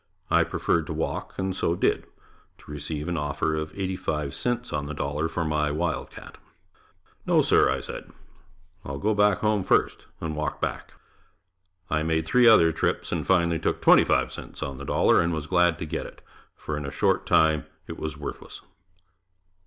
I preferred to walk, and so did, to receive an offer of eighty five cents on the dollar for my "Wild Cat." "No, sir," I said, "I'll go back home first," and walked back. I made three other trips and finally took twenty five cents on the dollar and was glad to get it, for in a short time, it was worthless.